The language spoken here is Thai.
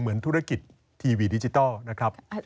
เหมือนธุรกิจทีวีดิจิทัลนะครับ